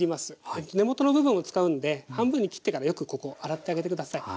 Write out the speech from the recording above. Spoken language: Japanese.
根元の部分も使うんで半分に切ってからよくここ洗ってあげて下さい。